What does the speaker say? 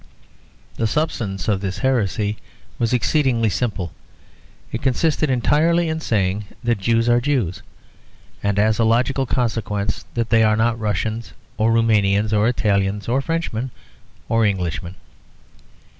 The substance of this heresy was exceedingly simple. It consisted entirely in saying that Jews are Jews; and as a logical consequence that they are not Russians or Roumanians or Italians or Frenchmen or Englishmen.